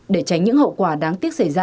để tránh những hậu quả đáng tiếc